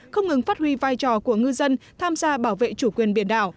không ngừng phát huy vai trò của ngư dân tham gia bảo vệ chủ quyền biển đảo